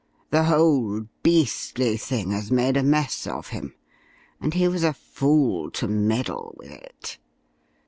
The whole beastly thing has made a mess of him, and he was a fool to meddle with it.